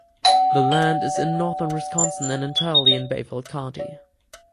The land is in northern Wisconsin and entirely in Bayfield County.